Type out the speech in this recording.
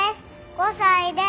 ５歳です。